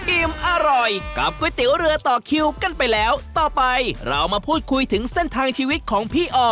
อิ่มอร่อยกับก๋วยเตี๋ยวเรือต่อคิวกันไปแล้วต่อไปเรามาพูดคุยถึงเส้นทางชีวิตของพี่ออ